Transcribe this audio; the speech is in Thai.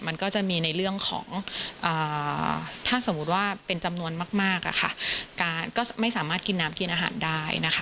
มันก็จะมีในเรื่องของถ้าสมมุติว่าเป็นจำนวนมากการก็ไม่สามารถกินน้ำกินอาหารได้นะคะ